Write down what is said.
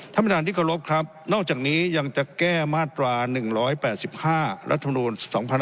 ท่านประธานทิกลบครับนอกจากนี้ยังจะแก้มาตรา๑๘๕รัฐธรรมดูล๒๑๖๐